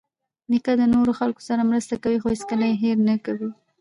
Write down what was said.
نیکه د نورو خلکو سره مرسته کوي، خو هیڅکله یې هېر نه کوي.